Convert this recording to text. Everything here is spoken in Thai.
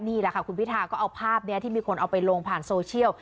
นี่แหละค่ะคุณพิธาก็เอาภาพนี้ที่มีคนเอาไปลงผ่านโซเชียล